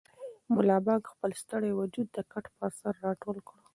ملا بانګ خپل ستړی وجود د کټ پر سر راټول کړ.